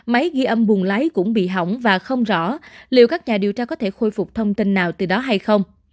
máy ghi âm buồn lái cũng bị hỏng và không rõ liệu các nhà điều tra có thể khôi phục thông tin nào từ đó hay không